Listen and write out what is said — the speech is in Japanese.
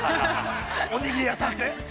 おにぎり屋さんで。